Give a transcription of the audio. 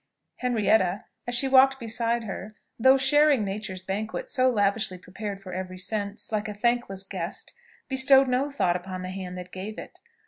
Henrietta, as she walked beside her, though sharing Nature's banquet so lavishly prepared for every sense, like a thankless guest, bestowed no thought upon the hand that gave it.